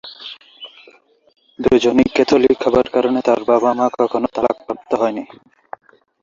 দুজনই ক্যাথলিক হবার কারণে তার বাবা-মা কখনো তালাকপ্রাপ্ত হন নি।